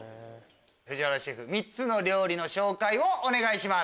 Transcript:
藤原シェフ３つの料理の紹介をお願いします。